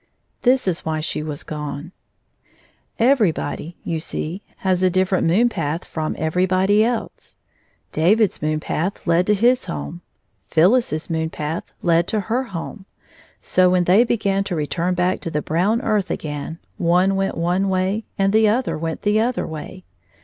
This is why she was gone :— Everybody, you see, has a different moon path from everybody else. David^s moon path led to his home ; PhyUis's moon path led to her home. So, when they began to return back to the brown earth again, one went one way and the other went the other way.